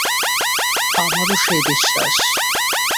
আমারও সেই বিশ্বাস।